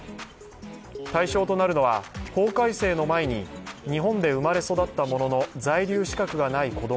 対象となるのは法改正の前に日本で生まれ育ったものの在留資格がない子供